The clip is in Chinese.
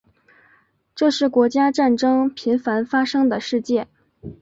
这是国家战争频繁发生的世界。